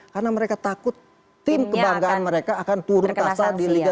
karena mereka takut tim kebanggaan mereka akan turun kasar di liga tiga